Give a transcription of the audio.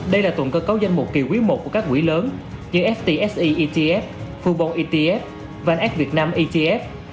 đây là tuần cơ cấu danh mục kỳ quý i của các quỹ lớn như ftse etf fubon etf vnx việt nam etf